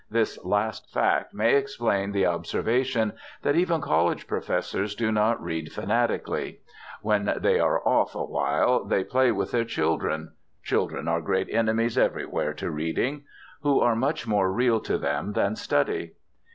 This last fact may explain the observation that even college professors do not read fanatically. When they are "off" awhile they "play with" their children (children are great enemies everywhere to reading), who are much more real to them than study.